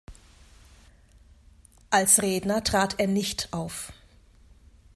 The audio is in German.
Als Redner trat er nicht auf.